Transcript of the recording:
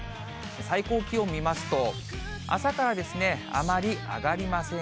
最高気温見ますと、朝からあまり上がりません。